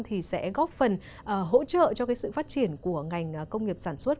thì sẽ góp phần hỗ trợ cho cái sự phát triển của ngành công nghiệp sản xuất